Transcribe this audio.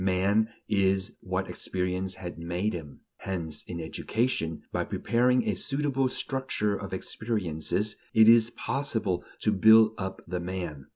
Man is what experience has made him; hence, in education, by preparing a suitable structure of experiences, it is possible to build up the man.